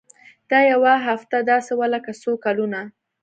دا يوه هفته داسې وه لکه څو کلونه.